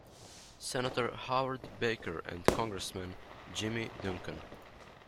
Senator Howard Baker and Congressman Jimmy Duncan.